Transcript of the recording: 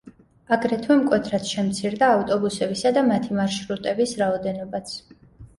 აგრეთვე მკვეთრად შემცირდა ავტობუსებისა და მათი მარშრუტების რაოდენობაც.